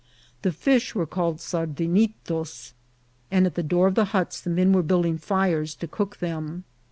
The fish were called sardinitos, and at the door of the huts the men were building fires to cook them.